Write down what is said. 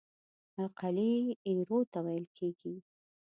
القلي ایرو ته ویل کیږي.